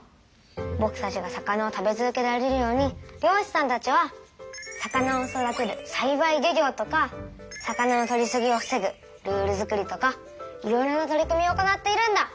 ぼくたちが魚を食べ続けられるように漁しさんたちは「魚を育てる『さいばい漁業』」とか「魚のとりすぎを防ぐルールづくり」とかいろいろな取り組みを行っているんだ！